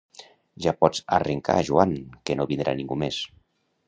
Ja pots arrencar Joan, que no vindrà ningú més